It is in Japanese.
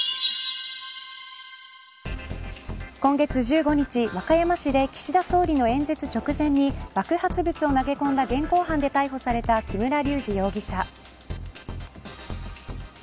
今月１５日、和歌山市で岸田総理の演説直前に爆発物を投げ込んだ現行犯で逮捕された木村隆二容疑者。